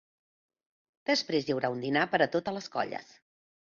Després hi haurà un dinar per a totes les colles.